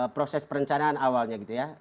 proses perencanaan awalnya